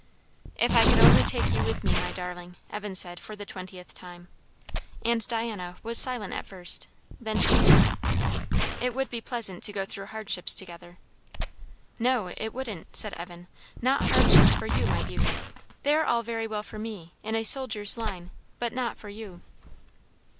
"If I could only take you with me, my darling!" Evan said for the twentieth time. And Diana was silent at first; then she said, "It would be pleasant to go through hardships together." "No, it wouldn't!" said Evan. "Not hardships for you, my beauty! They are all very well for me; in a soldier's line; but not for you!"